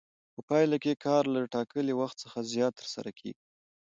په پایله کې کار له ټاکلي وخت څخه زیات ترسره کېږي